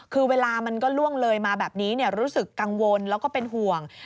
คือเวลามันก็ล่วงเลยมาแบบนี้รู้สึกกังวลแล้วก็เป็นห่วง